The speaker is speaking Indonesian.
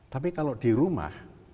tapi kalau di rumah